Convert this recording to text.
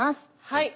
はい。